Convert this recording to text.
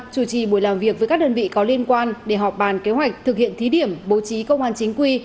chủ trì buổi làm việc với các đơn vị có liên quan để họp bàn kế hoạch thực hiện thí điểm bố trí công an chính quy